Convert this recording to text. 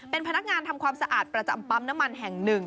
เป็นพนักงานทำความสะอาดประจำปั๊มน้ำมันแห่งหนึ่ง